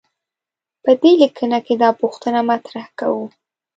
په دې لیکنه کې دا پوښتنه مطرح کوو.